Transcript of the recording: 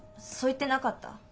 そう言ってなかった？